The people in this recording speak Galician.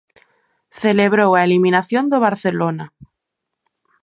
Celebrou a eliminación do Barcelona.